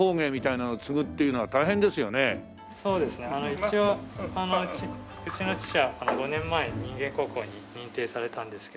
一応うちの父は５年前に人間国宝に認定されたんですけど。